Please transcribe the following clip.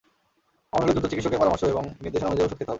এমন হলে দ্রুত চিকিৎসকের পরামর্শ এবং নির্দেশনা অনুযায়ী ওষুধ খেতে হবে।